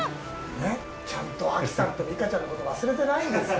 ねっ、ちゃんと亜紀さんと美佳ちゃんのこと、忘れてないんですよ。